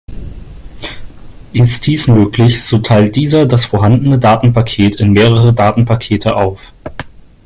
Ist dies nötig, so teilt dieser das vorhandene Datenpaket in mehrere Datenpakete auf.